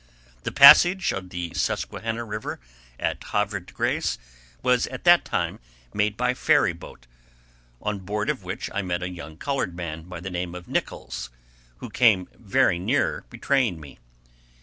The passage of the Susquehanna River at Havre de Grace was at that time made by ferry boat, on board of which I met a young colored man by the name of Nichols, who came very near betraying me.